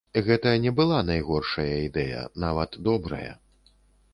Гэта не была найгоршая ідэя, нават добрая.